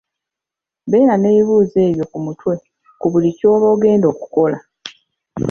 Beera n'ebibuuzo ebyo mu mutwe ku buli ky'oba ogenda okukola.